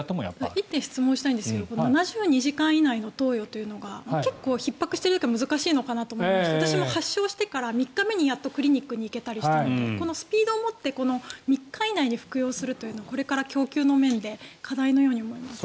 １点質問したいんですが７２時間以内の投与というのが結構ひっ迫している時は難しいのかなと思いまして私も発症してから３日目にクリニックに行けたりしたのでこのスピードを持って３日内に服用するというのがこれから供給の面で課題のように思えますが。